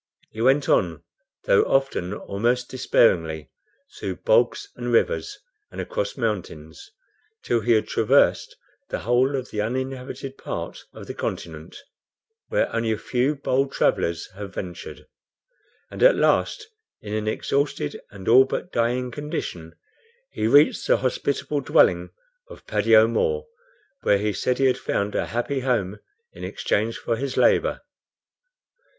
He went on, though often almost despairingly, through bogs and rivers, and across mountains, till he had traversed the whole of the uninhabited part of the continent, where only a few bold travelers have ventured; and at last, in an exhausted and all but dying condition, he reached the hospitable dwelling of Paddy O'Moore, where he said he had found a happy home in exchange for his labor.